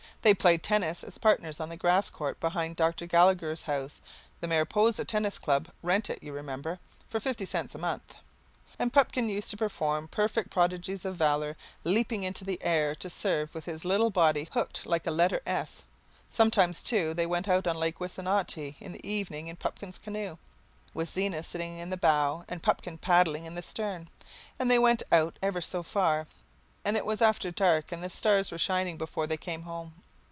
They played tennis as partners on the grass court behind Dr. Gallagher's house, the Mariposa Tennis Club rent it, you remember, for fifty cents a month, and Pupkin used to perform perfect prodigies of valour, leaping in the air to serve with his little body hooked like a letter S. Sometimes, too, they went out on Lake Wissanotti in the evening in Pupkin's canoe, with Zena sitting in the bow and Pupkin paddling in the stern and they went out ever so far and it was after dark and the stars were shining before they came home.